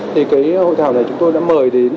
thì cái hội thảo này chúng tôi đã mời đến